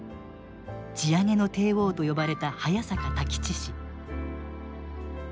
地上げの帝王と呼ばれた早坂太吉氏。